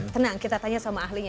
tenang kita tanya sama ahlinya